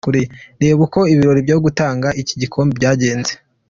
Reba uko ibirori byo gutanga iki gikombe byagenze:.